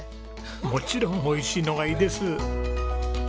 もちろん美味しいのがいいです。